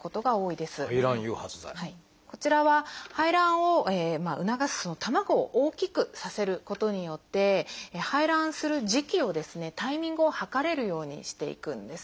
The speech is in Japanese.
こちらは排卵を促す卵を大きくさせることによって排卵する時期をですねタイミングをはかれるようにしていくんですね。